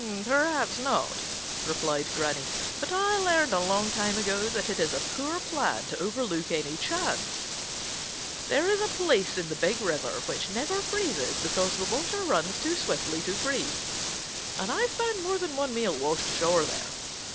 "Perhaps not," replied Granny, "but I learned a long time ago that it is a poor plan to overlook any chance. There is a place in the Big River which never freezes because the water runs too swiftly to freeze, and I've found more than one meal washed ashore there.